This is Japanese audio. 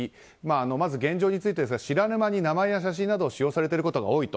まず現状についてですが知らぬ間に名前や写真などを使用されていることが多いと。